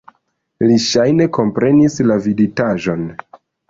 Li ŝajne komprenis la viditaĵon.